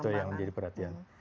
itu yang menjadi perhatian